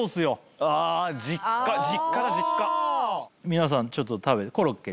皆さんちょっと食べてコロッケにね。